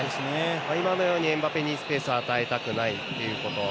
今のようにエムバペにスペースを与えたくないということ。